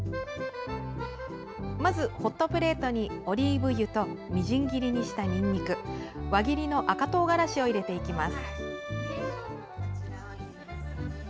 まず、ホットプレートにオリーブ油とみじん切りにした、にんにく輪切りの赤とうがらしを入れていきます。